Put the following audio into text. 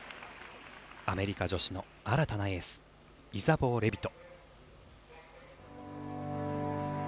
アメリカ女子の新たなエースイザボー・レビト。